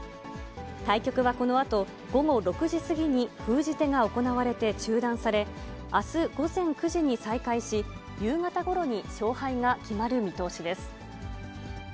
対局はこのあと午後６時過ぎに封じ手が行われて中断され、あす午前９時に再開し、夕方ごろに勝敗が決まるみとおしです。